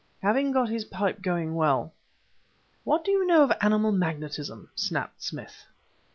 Having got his pipe going well "What do you know of animal magnetism?" snapped Smith.